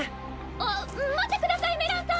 あっ待ってくださいメランさん！